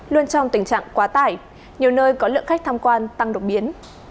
luôn trong tình trạng quá tải nhiều nơi có lượng khách tham quan tăng đột biến